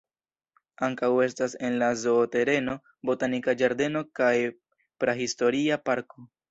Ankaŭ estas en la zoo-tereno botanika ĝardeno kaj prahistoria parko.